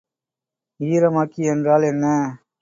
ஈரமாக்கி என்றால் என்ன?